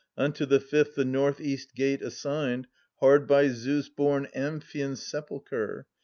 Unto the fifth, the north east gate, assigned. Hard by Zeus bom Amphion's sepulchre.